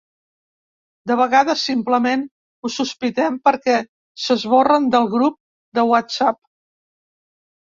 De vegades simplement ho sospitem perquè s'esborren del grup de whatsapp.